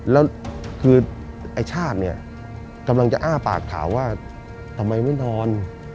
แล้วคือไอ้ชาติเนี่ยกำลังจะอ้าปากถามว่าทำไมไม่นอน